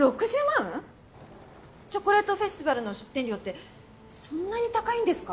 チョコレートフェスティバルの出店料ってそんなに高いんですか？